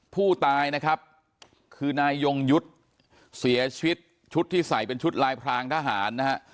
ผู้ตายนะครับคือนายยงยุทธ์เสียชีวิตชุดที่ใส่เป็นชุดลายพรางทหารนะฮะ